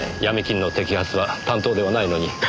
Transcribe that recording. ヤミ金の摘発は担当ではないのに。